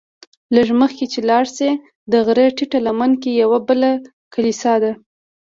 لږ مخکې چې لاړ شې د غره ټیټه لمنه کې یوه بله کلیسا ده.